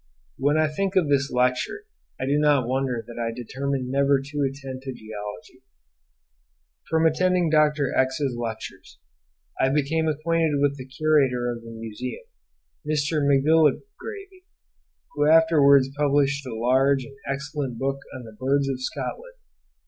When I think of this lecture, I do not wonder that I determined never to attend to Geology. From attending ——'s lectures, I became acquainted with the curator of the museum, Mr. Macgillivray, who afterwards published a large and excellent book on the birds of Scotland.